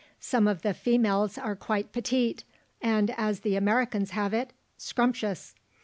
Some of the females are quite petite and, as the Americans have it, 'scrumptious.'